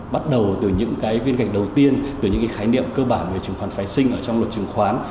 bắt đầu từ những viên gạch đầu tiên từ những khái niệm cơ bản về chứng khoán phai sinh trong luật chứng khoán